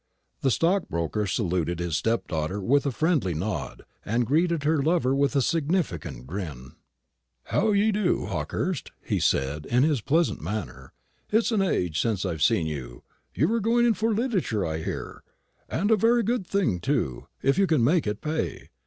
The stockbroker saluted his stepdaughter with a friendly nod, and greeted her lover with a significant grin. "How d'ye do, Hawkehurst?" he said, in his pleasantest manner. "It's an age since I've seen you. You're going in for literature, I hear; and a very good thing too, if you can make it pay.